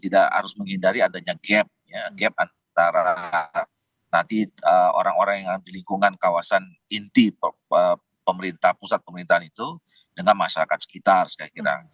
tidak harus menghindari adanya gap ya gap antara nanti orang orang yang di lingkungan kawasan inti pemerintah pusat pemerintahan itu dengan masyarakat sekitar saya kira